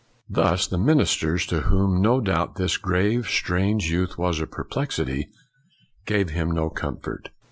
Thus the ministers, to whom no doubt this grave strange youth was a perplexity, gave him no comfort.